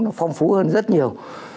nó phong phú hơn rất nhiều